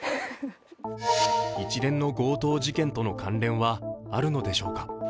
一連の強盗事件との関連はあるのでしょうか。